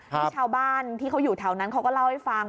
ที่ชาวบ้านที่เขาอยู่แถวนั้นเขาก็เล่าให้ฟัง